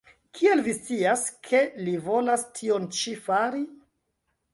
Kiel vi scias, ke li volis tion ĉi fari?